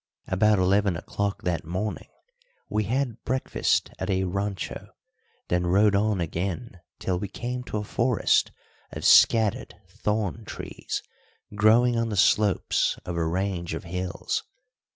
About eleven o'clock that morning we had breakfast at a rancho, then rode on again till we came to a forest of scattered thorn trees growing on the slopes of a range of hills.